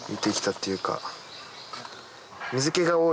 っていうか。